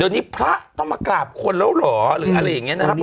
เดี๋ยวนี้พระต้องมากราบคนแล้วเหรอหรืออะไรอย่างนี้นะครับ